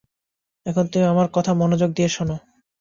এখন তুমি আমার কথা মনোযোগ দিয়ে শুনো।